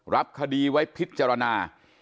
รับคดีไว้พิจารณา